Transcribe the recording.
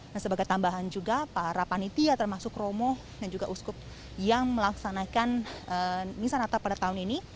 dan sebagai tambahan juga para panitia termasuk romo dan juga uskup yang melaksanakan misal natal pada tahun ini